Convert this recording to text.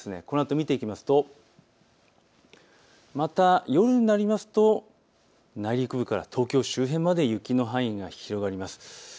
このあと見ていきますとまた夜になりますと内陸部から東京周辺まで雪の範囲が広がります。